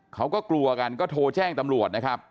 เขาก็กลัวกันก็โทรแจ้งตำรวจนะครับ